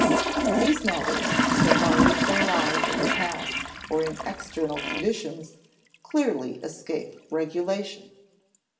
These matters, so far as they lie in the past or in external conditions, clearly escape regulation.